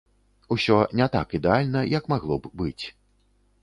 Усё не так ідэальна, як магло б быць.